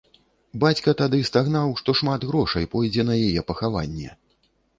Бацька тады стагнаў, што шмат грошай пойдзе на яе пахаванне.